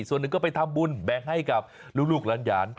ส่วนหนึ่งก็ไปทำบุญแบ่งให้กับลูกหลาน